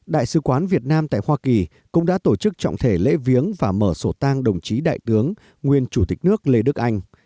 đại sứ quán việt nam tại hoa kỳ cũng đã tổ chức trọng thể lễ viếng và mở sổ tang đồng chí đại tướng nguyên chủ tịch nước lê đức anh